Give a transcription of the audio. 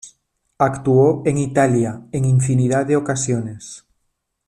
Actuó en Italia en infinidad de ocasiones.